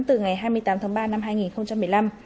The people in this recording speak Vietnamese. từ ngày hai mươi tám tháng ba năm hai nghìn một mươi năm